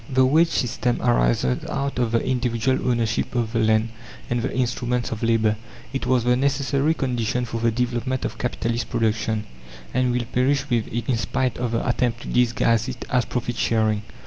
The wage system arises out of the individual ownership of the land and the instruments of labour. It was the necessary condition for the development of capitalist production, and will perish with it, in spite of the attempt to disguise it as "profit sharing."